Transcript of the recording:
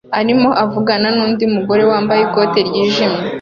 arimo avugana nundi mugore wambaye ikoti ryijimye